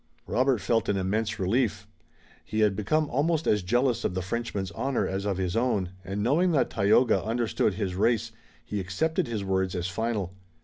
Robert felt an immense relief. He had become almost as jealous of the Frenchman's honor as of his own, and knowing that Tayoga understood his race, he accepted his words as final.